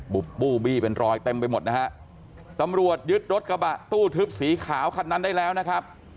บู้บี้เป็นรอยเต็มไปหมดนะฮะตำรวจยึดรถกระบะตู้ทึบสีขาวคันนั้นได้แล้วนะครับ